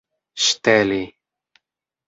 ŝteli